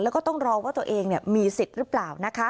แล้วก็ต้องรอว่าตัวเองมีสิทธิ์หรือเปล่า